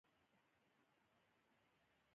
ښوونکی لیک کتل.